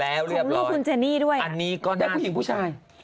แล้วเรียบร้อยแล้วก็ใช้มีผู้ชาย